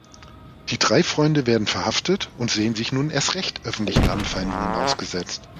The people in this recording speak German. Die drei Freunde werden verhaftet und sehen sich nun erst recht öffentlichen Anfeindungen ausgesetzt.